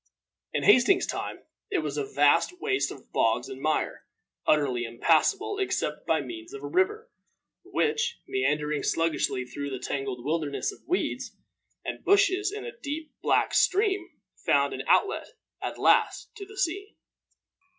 In Hastings's time it was a vast waste of bogs and mire, utterly impassable except by means of a river, which, meandering sluggishly through the tangled wilderness of weeds and bushes in a deep, black stream, found an outlet at last into the sea.